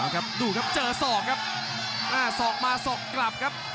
ครับดูครับเจอศอกครับอ่าสอกมาสอกกลับครับ